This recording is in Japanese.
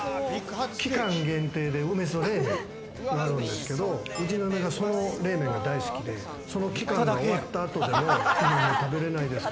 期間限定で梅しそ冷麺があるんですけれど、うちの嫁がその冷麺が大好きでその期間が終わった後でも、今も食べれないですか？